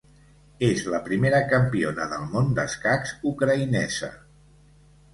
És la primera campiona del món d'escacs ucraïnesa.